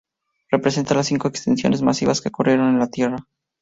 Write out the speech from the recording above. Representa las cinco extinciones masivas que ocurrieron en la Tierra.